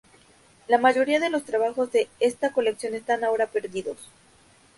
La mayoría de los trabajos de esta colección están ahora perdidos.